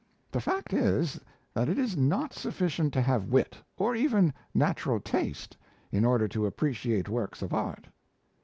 The fact is, that it is not sufficient to have wit, or even natural taste, in order to appreciate works of art.